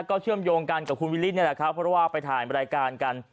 ก็เชื่อมโยงกันกับคุณวิลิตนี่แหละครับเพราะว่าไปถ่ายรายการกัน